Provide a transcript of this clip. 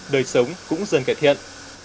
đời sống cũng dần cải thiện